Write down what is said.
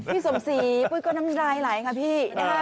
พี่สมศรีปุ๊ยก็น้ำลายหลายค่ะพี่